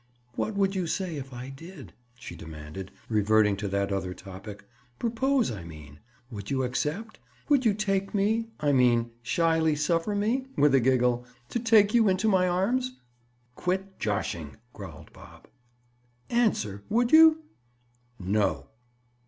"What would you say if I did?" she demanded, reverting to that other topic. "Propose, I mean? Would you accept? Would you take me—I mean, shyly suffer me," with a giggle, "to take you into my arms?" "Quit joshing!" growled Bob. "Answer. Would you?" "No."